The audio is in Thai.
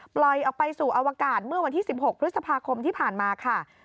ปล่อยออกไปสู่อวกาศเมื่อวันที่๑๖พฤษภาคมที่ผ่านมาค่ะ